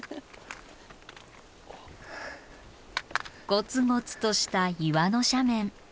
ゴツゴツとした岩の斜面。